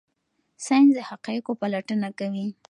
ساینس د حقایقو پلټنه کوي.